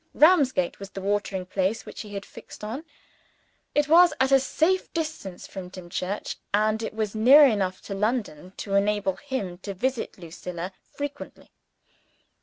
Ramsgate was the watering place which he had fixed on. It was at a safe distance from Dimchurch; and it was near enough to London to enable him to visit Lucilla frequently.